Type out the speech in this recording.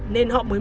nên họ mới